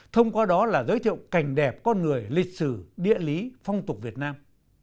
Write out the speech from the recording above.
thông qua đó là giới thiệu cảnh đẹp con người lịch sử địa lý phong tục việt nam